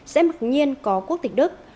sẽ mặc nhiên có quốc tịch đức